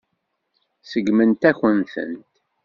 Seggmen-akent-tent.